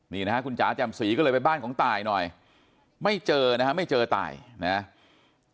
นี่นะฮะคุณจ๋าแจ่มสีก็เลยไปบ้านของตายหน่อยไม่เจอนะฮะไม่เจอตายนะครับ